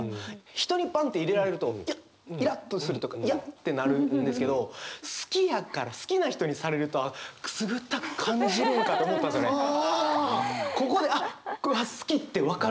人にバンって入れられるとイラッとするとか嫌ってなるんですけど好きやから好きな人にされるとくすぐったく感じるんかと思ったんですよね。